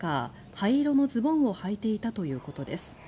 灰色のズボンをはいていたということです。